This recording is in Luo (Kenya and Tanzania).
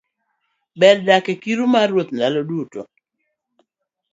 Ber dak e kiru mar Ruoth ndalo duto